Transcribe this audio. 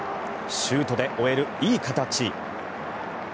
シュートで終えるいい形。